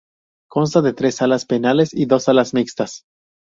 Consta de tres Salas Penales y dos Salas Mixtas.